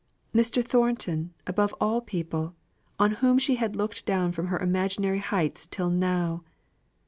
Mr. Thornton, above all people, on whom she had looked down from her imaginary heights till now!